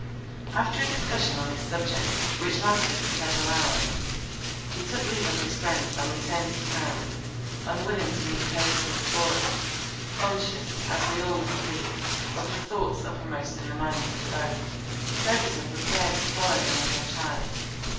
After a discussion on this subject, which lasted for several hours, he took leave of his friends, and returned to town, unwilling to meet Perdita before us, conscious, as we all must be, of the thoughts uppermost in the minds of both. Perdita prepared to follow him with her child.